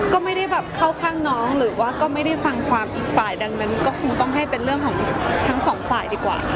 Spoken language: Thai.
ก็ไม่ได้แบบเข้าข้างน้องหรือว่าก็ไม่ได้ฟังความอีกฝ่ายดังนั้นก็คงต้องให้เป็นเรื่องของทั้งสองฝ่ายดีกว่าค่ะ